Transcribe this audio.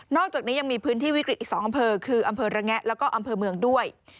อกจากนี้ยังมีพื้นที่วิกฤตอีก๒อำเภอคืออำเภอระแงะแล้วก็อำเภอเมืองด้วย